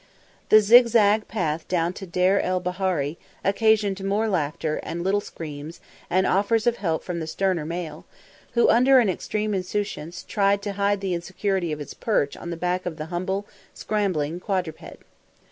The zig zag path down to Deir el Bahari occasioned more laughter and little screams and offers of help from the sterner male, who, under an extreme insouciance, tried to hide the insecurity of his perch on the back of the humble, scrambling quadruped.